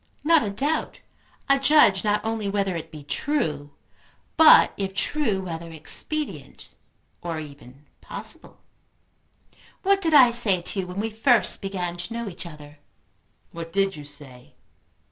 "Not a doubt; a judge not only whether it be true, but if true whether expedient, or even possible. What did I say to you when we first began to know each other?" "What did you say?"